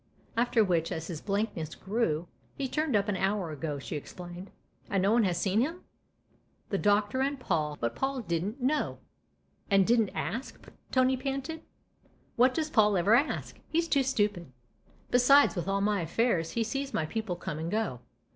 After which, as his blankness grew, " He turned up an hour ago," she explained. " And no one has seen him ?" "The Doctor and Paul. But Paul didn't know "" And didn't ask ?" Tony panted. " What does Paul ever ask ? He's too stupid ! Besides, with all my affairs, he sees my people come and go.